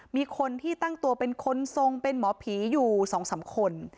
มีคนที่ตั้งตัวเป็นคนทรงเป็นหมอผีอยู่๒๓คน